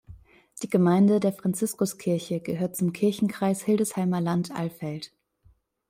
Die Gemeinde der Franziskuskirche gehört zum Kirchenkreis Hildesheimer Land Alfeld.